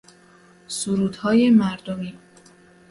سرودهای مردمی